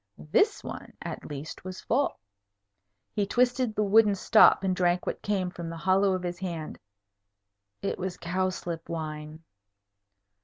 This one, at least, was full. He twisted the wooden stop and drank what came, from the hollow of his hand. It was cowslip wine.